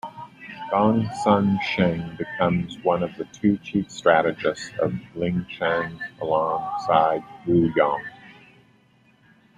Gongsun Sheng becomes one of the two chief strategists of Liangshan alongside Wu Yong.